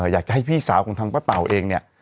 อยากจะให้พี่สาวของทางป้าเต่าเองเนี่ย